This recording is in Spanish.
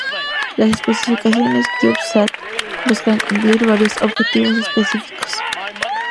Las especificaciones CubeSat buscan cumplir varios objetivos específicos.